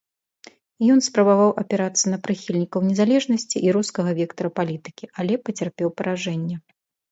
Ён спрабаваў апірацца на прыхільнікаў незалежнасці і рускага вектара палітыкі, але пацярпеў паражэнне.